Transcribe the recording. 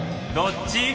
どっち？